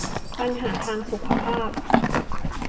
ปัญหาทางสุขภาพ